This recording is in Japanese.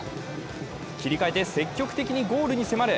切り替えて積極的にゴールに迫る。